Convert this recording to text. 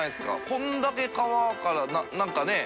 これだけ川から何かねぇ。